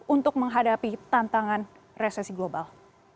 untuk menghadapi tantangan resesi global